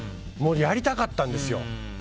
やりたかったんですよ。